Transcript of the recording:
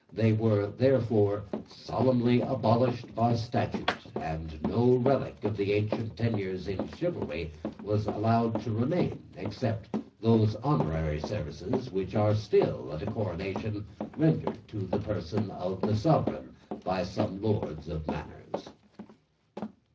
They were, therefore, solemnly abolished by statute; and no relic of the ancient tenures in chivalry was allowed to remain except those honorary services which are still, at a coronation, rendered to the person of the sovereign by some lords of manors.